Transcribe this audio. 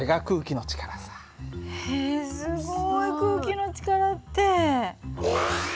へえすごい空気の力って。